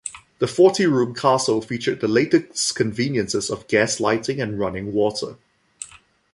The forty room castle featured the latest conveniences of gas lighting and running water.